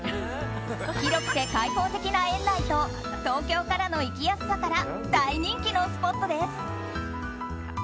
広くて開放的な園内と東京からの行きやすさから大人気のスポットです。